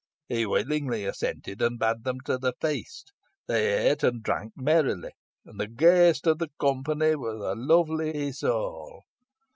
He willingly assented, and bade them to the feast. They ate and drank merrily, and the gayest of the company was the lovely Isole.